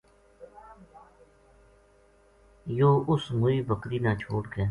یوہ اُس موئی بکری نا چھوڈ کے